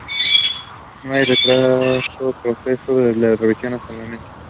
No hay retraso proceso de revisión hasta el momento.